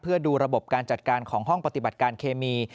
เพื่อดูระบบการจัดการของห้องปฏิบัติการเคมี